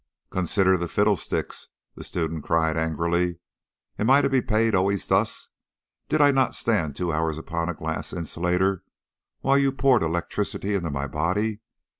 "Consider the fiddlesticks!" the student cried angrily. "Am I to be paid always thus? Did I not stand two hours upon a glass insulator while you poured electricity into my body?